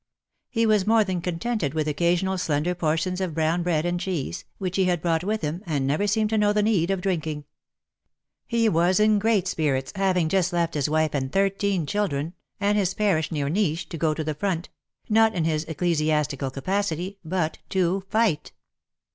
He was more than contented with occasional slender portions of brown bread and cheese, which he had brought with him, and never seemed to know the need of drinking. He was in great spirits, having just left his wife and thirteen children, and his parish near Nisch, to go to the front — not in his ecclesi astical capacity, but to fight.